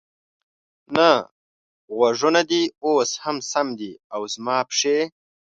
نه، غوږونه دې اوس هم سم دي، او زما پښې؟